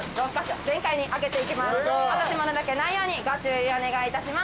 落とし物だけないようにご注意お願いいたします。